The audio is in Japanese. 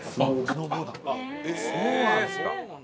そうなんですか！